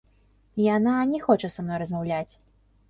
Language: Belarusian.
Яна не хоча са мной размаўляць.